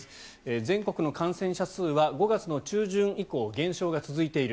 全国の感染者数は５月の中旬以降減少が続いている。